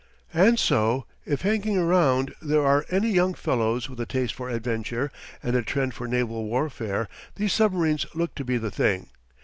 And so, if hanging around there are any young fellows with a taste for adventure and a trend for naval warfare, these submarines look to be the thing.